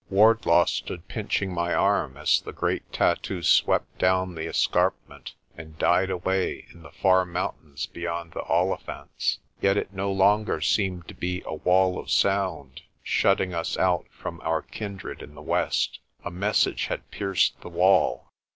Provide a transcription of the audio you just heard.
Wardlaw stood pinching my arm as the great tattoo swept down the escarpment, and died away in the far mountains beyond the Olifants. Yet it no longer seemed to be a wall of sound, shutting us out from our kindred in the West. A message had pierced the wall.